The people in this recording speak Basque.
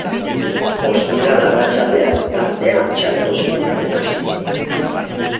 Ostiral arratsaldean gaztea txarto sentitzen hasi zen.